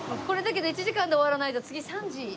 これだけど１時間で終わらないと次３時。